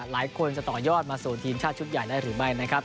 หลายคนจะต่อยอดมาสู่ทีมชาติชุดใหญ่ได้หรือไม่นะครับ